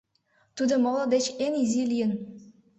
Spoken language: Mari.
Тудо моло деч эн изи лийын.